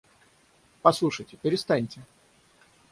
— Послушайте, перестаньте!